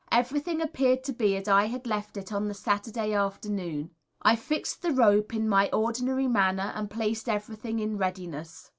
Everything appeared to be as I had left it on the Saturday afternoon. I fixed the rope in my ordinary manner, and placed everything in readiness.